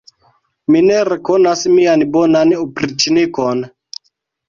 Mi ne rekonas mian bonan opriĉnikon!